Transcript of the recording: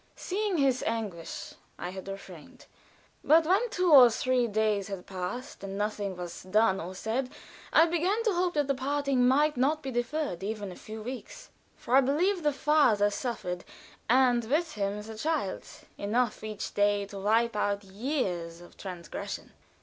Seeing his anguish, I had refrained; but when two or three days had passed, and nothing was done or said, I began to hope that the parting might not be deferred even a few weeks; for I believe the father suffered, and with him the child, enough each day to wipe out years of transgression.